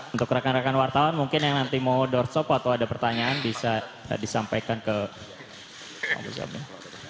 untuk rakan rakan wartawan mungkin yang nanti mau doorstop atau ada pertanyaan bisa disampaikan ke al muzzamil